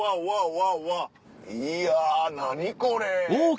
いや何これ！